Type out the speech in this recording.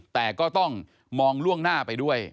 แต่ก็ต้องมองล่วงหน้าไปด้วย